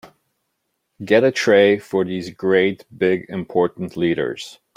Get a tray for these great big important leaders.